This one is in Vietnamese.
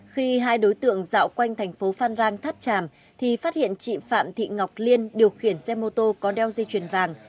khi hai đối tượng dạo quanh thành phố phan rang tháp tràm thì phát hiện chị phạm thị ngọc liên điều khiển xe mô tô có đeo dây chuyền vàng